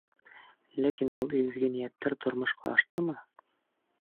Ләкин был изге ниәттәр тормошҡа аштымы?